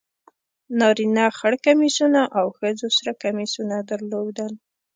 نارینه خر کمیسونه او ښځو سره کمیسونه درلودل.